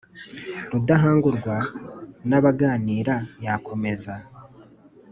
Rudahangurwa n’abaganira yakomeza